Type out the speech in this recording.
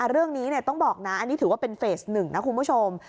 เรื่องนี้ต้องบอกนะอันนี้ถือว่าเป็นเฟสหนึ่งนะคุณผู้ชม